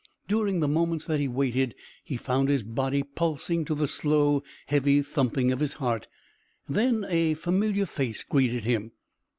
During the moments that he waited he found his body pulsating to the slow, heavy thumping of his heart; then a familiar face greeted him.